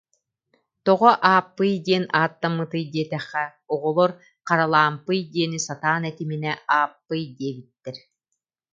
Тоҕо Ааппый диэн ааттаммытый диэтэххэ, оҕолор Харалаампый диэни сатаан этиминэ Ааппый диэбиттэр